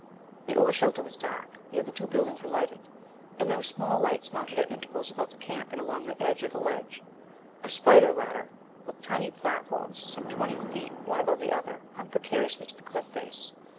The ore shelter was dark; the other two buildings were lighted. And there were small lights mounted at intervals about the camp and along the edge of the ledge. A spider ladder, with tiny platforms some twenty feet one above the other, hung precariously to the cliff face.